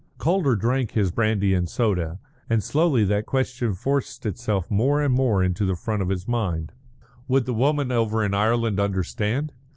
Calder drank his brandy and soda, and slowly that question forced itself more and more into the front of his mind. Would the woman over in Ireland understand?